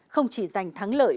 không chỉ giành thắng lợi